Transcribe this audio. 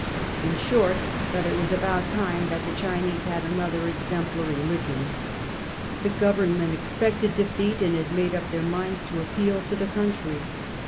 In short, that it was about time that the Chinese had another "exemplary licking." The Government expected defeat, and had made up their minds to appeal to the country.